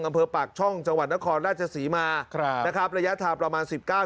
อำเภอปากช่องจังหวัดนครราชศรีมาครับนะครับระยะทางประมาณสิบเก้า